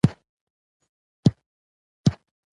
هم مو ځان هم مو ټبر دی په وژلی